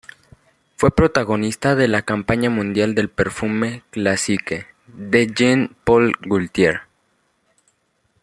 Fue protagonista de la campaña mundial del perfume"Classique" de Jean Paul Gaultier.